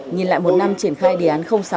nhìn lại một năm triển khai đề án sáu